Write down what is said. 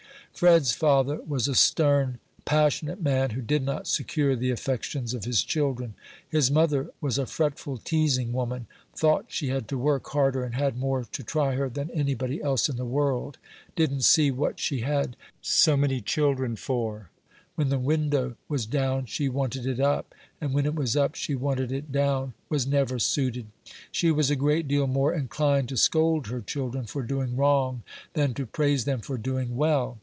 Fred's father was a stern, passionate man, who did not secure the affections of his children. His mother was a fretful, teasing woman; thought she had to work harder, and had more to try her than anybody else in the world; didn't see what she had so many children for; when the window was down she wanted it up, and when it was up she wanted it down; was never suited. She was a great deal more inclined to scold her children for doing wrong, than to praise them for doing well.